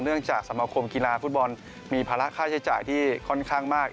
จากสมาคมกีฬาฟุตบอลมีภาระค่าใช้จ่ายที่ค่อนข้างมาก